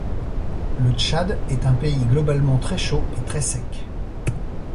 Le Tchad est un pays globalement très chaud et très sec.